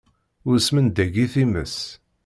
Ur smendag i times.